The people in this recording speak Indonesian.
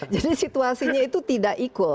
jadi situasinya itu tidak equal